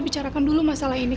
bicarakan dulu masalah ini